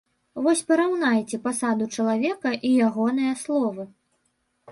Вось параўнайце пасаду чалавека і ягоныя словы!